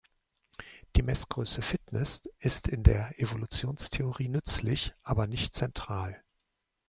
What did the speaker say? Die Messgröße „Fitness“ ist in der Evolutionstheorie nützlich, aber nicht zentral.